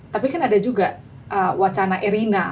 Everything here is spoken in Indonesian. tapi kan ada juga wacana erina